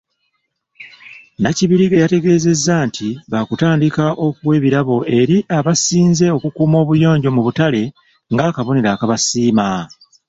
Nakibirige ategeezezza nti baakutandika okuwa ebirabo eri abasinze okukuuma obuyonjo mu butale ng'akabonero akabasiima.